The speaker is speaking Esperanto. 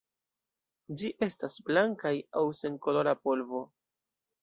Ĝi estas blankaj aŭ senkolora polvo.